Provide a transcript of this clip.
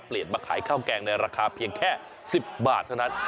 มาขายข้าวแกงในราคาเพียงแค่๑๐บาทเท่านั้น